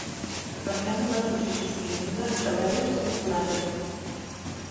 Permeten la torsió sostinguda de l'hèlix del col·làgen.